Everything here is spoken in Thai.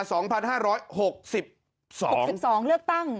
ก็คือ๒๔๒๕๖๒เลือกตั้ง